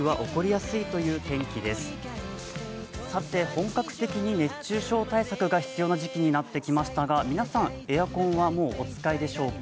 本格的に熱中症対策が必要な時期になってきましたが皆さん、エアコンはもうお使いでしょうか？